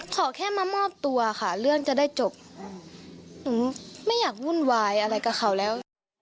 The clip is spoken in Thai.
ขอแค่มามอบตัวค่ะเรื่องจะได้จบหนูไม่อยากวุ่นวายอะไรกับเขาแล้ว